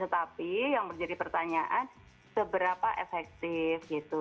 tetapi yang menjadi pertanyaan seberapa efektif gitu